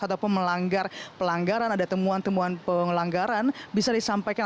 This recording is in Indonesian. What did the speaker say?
ataupun melanggar pelanggaran ada temuan temuan pelanggaran bisa disampaikan